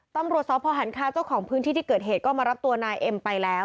ตำรวจสพหันคาเจ้าของพื้นที่ที่เกิดเหตุก็มารับตัวนายเอ็มไปแล้ว